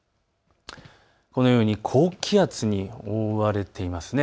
このように高気圧に覆われています。